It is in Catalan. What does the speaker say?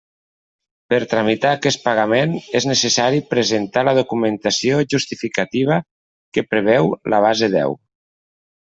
Per tramitar aquest pagament, és necessari presentar la documentació justificativa que preveu la base deu.